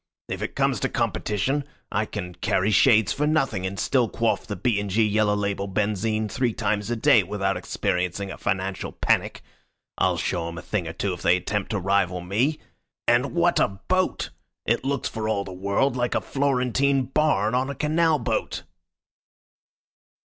If it comes to competition, I can carry shades for nothing and still quaff the B. & G. yellow label benzine three times a day without experiencing a financial panic. I'll show 'em a thing or two if they attempt to rival me. And what a boat! It looks for all the world like a Florentine barn on a canal boat."